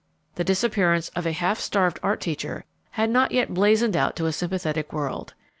The disappearance of a half starved art teacher had not yet blazoned out to a sympathetic world.